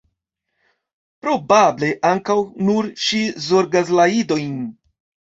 Probable ankaŭ nur ŝi zorgas la idojn.